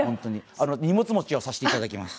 荷物持ちをさせていただきます。